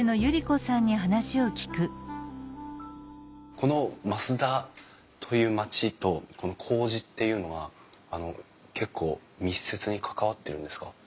この増田という町とこうじっていうのはあの結構密接に関わってるんですか？